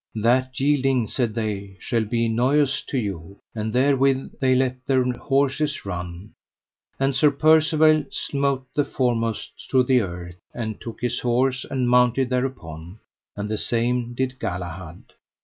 That yielding, said they, shall be noyous to you. And therewith they let their horses run, and Sir Percivale smote the foremost to the earth, and took his horse, and mounted thereupon, and the same did Galahad.